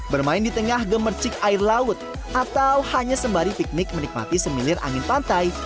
bermain di tengah gemercik air laut atau hanya sembari piknik menikmati semilir angin pantai